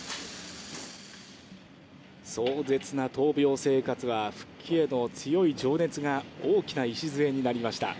壮絶な闘病生活は、復帰への強い情熱が大きな礎になりました。